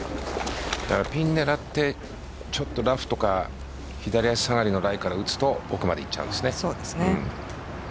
ピン狙ってちょっとラフとか左足下がりのライから打つと奥までいっちゃうんです。